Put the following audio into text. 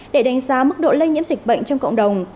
để đánh giá mức độ lây nhiễm dịch bệnh trong cộng đồng